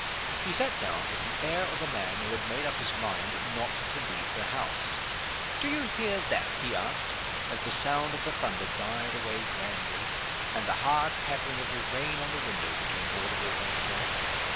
He sat down with the air of a man who had made up his mind not to leave the house. "Do you hear that?" he asked, as the sound of the thunder died away grandly, and the hard pattering of the rain on the window became audible once more.